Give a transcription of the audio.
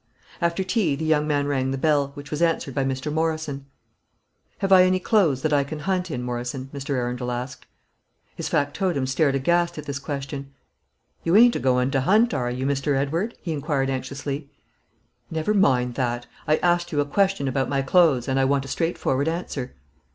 After tea the young man rang the bell, which was answered by Mr. Morrison. "Have I any clothes that I can hunt in, Morrison?" Mr. Arundel asked. His factotum stared aghast at this question. "You ain't a goin' to 'unt, are you, Mr. Edward?" he inquired, anxiously. "Never mind that. I asked you a question about my clothes, and I want a straightforward answer."